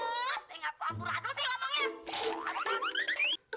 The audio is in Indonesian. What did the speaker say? eh ngapu ambur adu sih omongnya